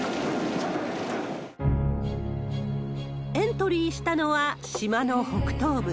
エントリーしたのは島の北東部。